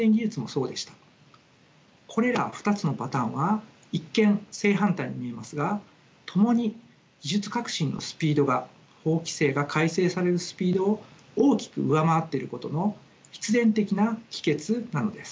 これら２つのパターンは一見正反対に見えますがともに技術革新のスピードが法規制が改正されるスピードを大きく上回っていることの必然的な帰結なのです。